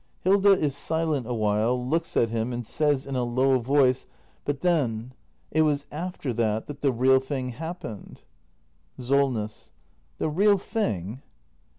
Hilda. [Is silent awhile, looks at him and says in a low voice:] But then, — it was after that — that the real thing hap pened. Solness. The real thing